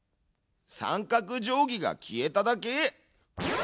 三角定規が消えただけ？